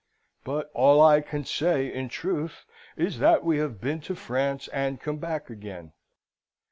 But all I can say in truth is, that we have been to France and come back again.